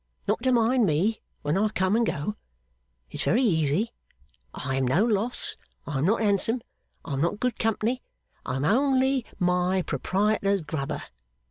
Not to mind me when I come and go. It's very easy. I am no loss, I am not handsome, I am not good company, I am only my proprietors grubber.